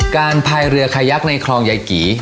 พายเรือขยักในคลองยายกี่